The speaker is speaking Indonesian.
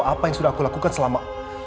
apa yang sudah aku lakukan selama